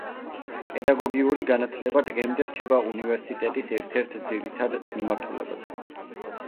პედაგოგიური განათლება დღემდე რჩება უნივერსიტეტის ერთ-ერთ ძირითად მიმართულებად.